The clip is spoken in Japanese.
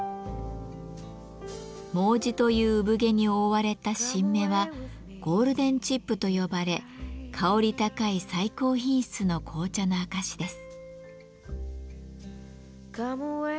「毛茸」という産毛に覆われた新芽はゴールデンチップと呼ばれ香り高い最高品質の紅茶の証しです。